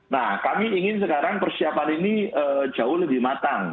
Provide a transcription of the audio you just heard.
nah kami ingin sekarang persiapan ini jauh lebih matang